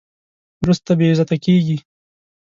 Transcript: وروسته بې عزته کېږي.